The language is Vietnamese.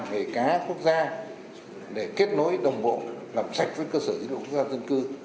về cá quốc gia để kết nối đồng bộ làm sạch với cơ sở dữ liệu quốc gia dân cư